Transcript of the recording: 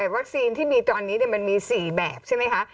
วัคซีนที่มีตอนนี้มันมี๔แบบใช่ไหมคะ